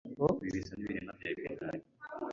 Ibi bisa nibimera bya epinari.